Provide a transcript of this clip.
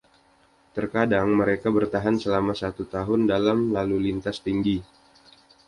Terkadang mereka bertahan selama satu tahun dalam lalu lintas tinggi.